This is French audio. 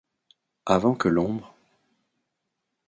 Avant que l'ombre...